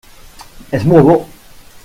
És molt bo.